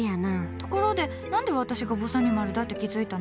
ところで、何で私がぼさにまるだって気づいたの？